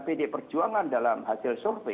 pd perjuangan dalam hasil survei